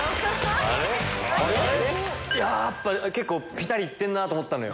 あれ⁉ピタリいってんなと思ったのよ。